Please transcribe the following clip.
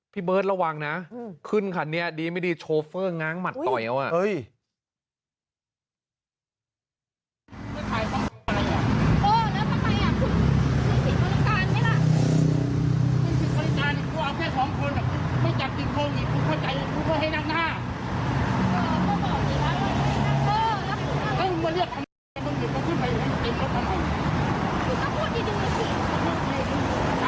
เบิร์ตระวังนะขึ้นคันนี้ดีไม่ดีโชเฟอร์ง้างหมัดต่อยเอาอ่ะ